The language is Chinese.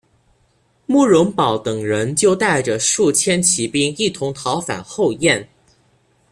慕容宝等人就带着数千骑兵一同逃返后燕。